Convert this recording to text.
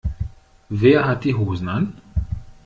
Wer hat die Hosen an?